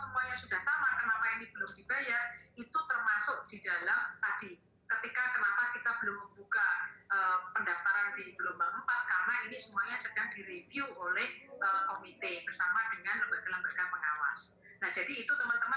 tapi kalau teman teman semuanya sudah sama kenapa ini belum dibayar